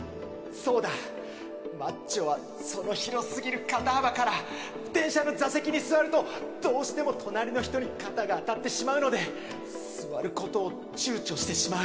そうだマッチョはその広すぎる肩幅から電車の座席に座るとどうしても隣の人に肩が当たってしまうので座ることを躊躇してしまう。